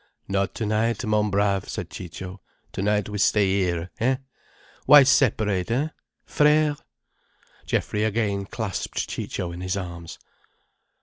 "Not tonight, mon brave," said Ciccio. "Tonight we stay here, hein. Why separate, hein?—frère?" Geoffrey again clasped Ciccio in his arms.